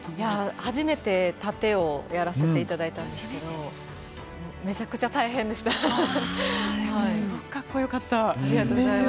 初めて殺陣をやらせていただいたんですけれどすごくかっこよかった。